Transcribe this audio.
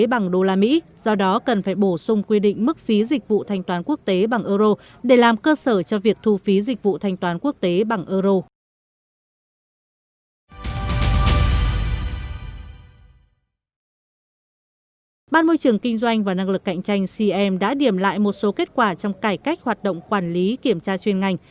bàn môi trường kinh doanh và năng lực cạnh tranh cm đã điểm lại một số kết quả trong cải cách hoạt động quản lý kiểm tra chuyên ngành